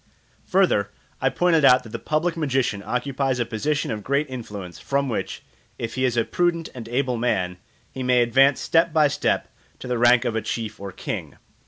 Further, I pointed out that the public magician occupies a position of great influence, from which, if he is a prudent and able man, he may advance step by step to the rank of a chief or king.